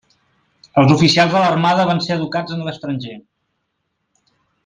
Els oficials de l'Armada van ser educats en l'estranger.